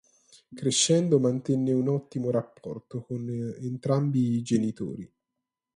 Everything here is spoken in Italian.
Crescendo, mantenne un ottimo rapporto con entrambi i genitori.